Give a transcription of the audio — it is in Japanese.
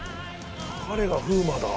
彼が風磨だ。